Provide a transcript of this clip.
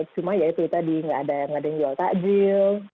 cuma ya itu tadi nggak ada yang jual takjil